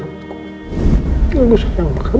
enggak usah ngelakar